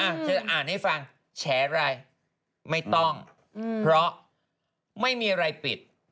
ฉันจะอ่านให้ฟังแชร์อะไรไม่ต้องเพราะไม่มีอะไรปิด